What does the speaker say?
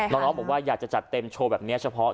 น้องบอกว่าอยากจะจัดเต็มโชว์แบบนี้เฉพาะ